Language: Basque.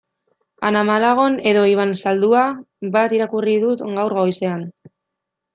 Ana Malagon edo Iban Zaldua bat irakurri dut gaur goizean.